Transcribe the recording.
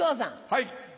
はい。